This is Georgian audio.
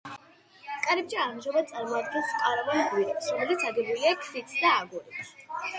კარიბჭე ამჟამად წარმოადგენს კამაროვან გვირაბს, რომელიც აგებულია ქვით და აგურით.